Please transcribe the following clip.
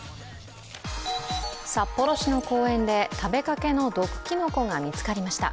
札幌市の公園で食べかけの毒きのこが見つかりました。